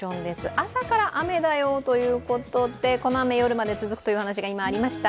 朝から雨だよということでこの雨は夜まで続くというお話がありました。